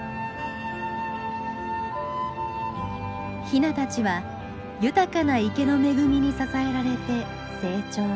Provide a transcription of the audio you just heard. ヒナたちは豊かな池の恵みに支えられて成長。